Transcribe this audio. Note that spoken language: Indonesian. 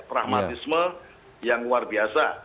pragmatisme yang luar biasa